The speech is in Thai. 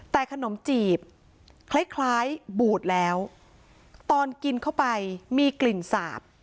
แต่ขนมจีบคล้ายคล้ายบูดแล้วตอนกินเข้าไปมีกลิ่นสาบ